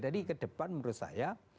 jadi kedepan menurut saya